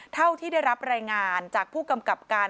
เท่าที่ได้รับรายงานจากผู้กำกับการ